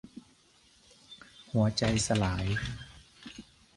หัวใจสลาย